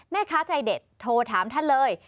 แม่ค้าใจเด็ดโทรถามท่านเลย